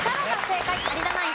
有田ナイン